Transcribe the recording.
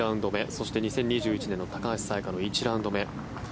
そして２０２１年高橋彩華の１ラウンド目。